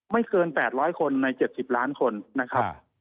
ไม่เกิน๘๐๐คนใน๗๐ล้านคนนะครับ